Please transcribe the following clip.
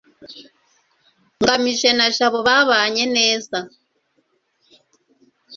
ngamije na jabo babanye neza